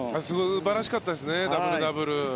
素晴らしかったですねダブル・ダブル。